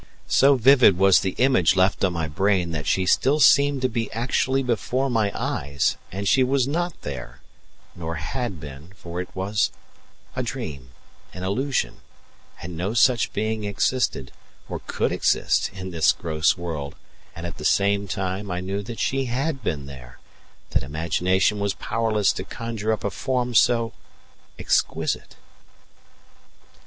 So vivid was the image left on my brain that she still seemed to be actually before my eyes; and she was not there, nor had been, for it was a dream, an illusion, and no such being existed, or could exist, in this gross world; and at the same time I knew that she had been there that imagination was powerless to conjure up a form so exquisite.